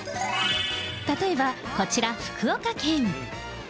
例えば、こちら、福岡県。